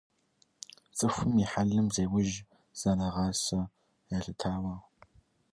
ЦӀыхум и хьэлым зеужь зэрагъасэ елъытауэ.